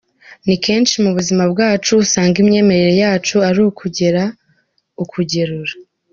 Ni kenshi mu buzima bwacu usanga imyemerere yacu ari ukugera, ukagerura.